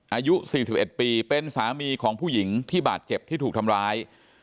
อายุ๔๑ปีเป็นสามีของผู้หญิงที่บาดเจ็บที่ถูกทำร้าย